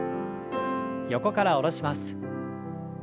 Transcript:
横から下ろします。